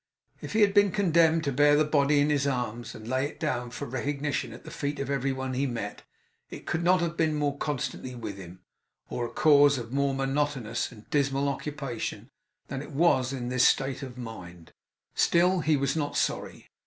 If he had been condemned to bear the body in his arms, and lay it down for recognition at the feet of every one he met, it could not have been more constantly with him, or a cause of more monotonous and dismal occupation than it was in this state of his mind. Still he was not sorry.